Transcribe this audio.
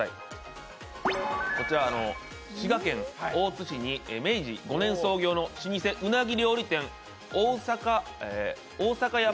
滋賀県大津市に明治５年創業の老舗うなぎ料理店、逢坂山